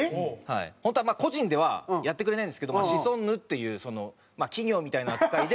本当は個人ではやってくれないんですけども「シソンヌ」っていうまあ企業みたいな扱いで。